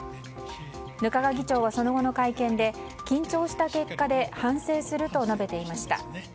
額賀議長は、その後の会見で緊張した結果で反省すると述べていました。